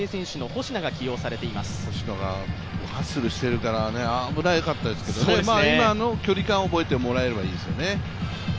保科がハッスルしているから危なかったですけど、今の距離感を覚えてもらえればいいですよね。